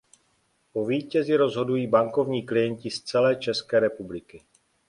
O vítězi rozhodují bankovní klienti z celé České republiky.